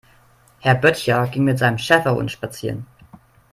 Herr Böttcher ging mit seinem Schäferhund spazieren.